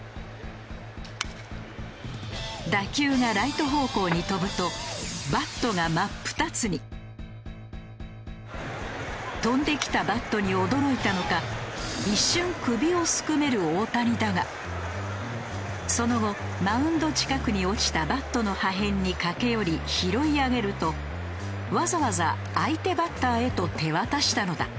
打球がライト方向に飛ぶと飛んできたバットに驚いたのか一瞬首をすくめる大谷だがその後マウンド近くに落ちたバットの破片に駆け寄り拾い上げるとわざわざ相手バッターへと手渡したのだ。